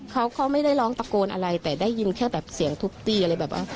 เขาก็ไม่ได้ร้องตะโกนอะไรแต่ได้ยินแค่แบบเสียงทุบตีอะไรแบบว่า